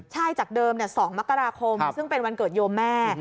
ใช่จากเดิม๒มกราคมซึ่งเป็นวันเกิดโยมแม่